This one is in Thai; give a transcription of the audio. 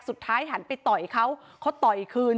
หันไปต่อยเขาเขาต่อยคืน